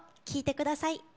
聴いてください。